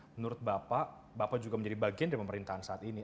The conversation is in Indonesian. menurut bapak bapak juga menjadi bagian dari pemerintahan saat ini